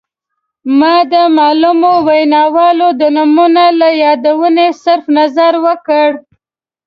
ما د معلومو ویناوالو د نومونو له یادونې صرف نظر وکړ.